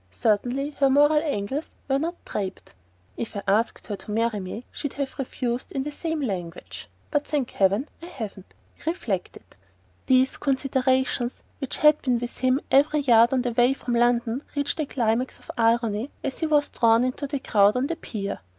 Certainly her moral angles were not draped! "If I asked her to marry me, she'd have refused in the same language. But thank heaven I haven't!" he reflected. These considerations, which had been with him every yard of the way from London, reached a climax of irony as he was drawn into the crowd on the pier.